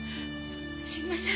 すみません！